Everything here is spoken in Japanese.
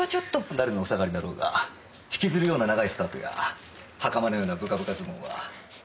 誰のお下がりだろうが引きずるような長いスカートや袴のようなぶかぶかズボンは。